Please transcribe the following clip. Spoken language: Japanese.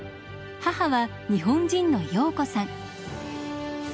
母は日本人の洋子さん。